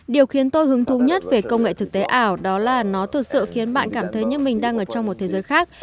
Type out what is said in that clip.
điều khiến tôi hứng thú nhất về công nghệ thực tế ảo đó là nó thực sự khiến bạn cảm thấy như mình đang ở trong một thế giới khác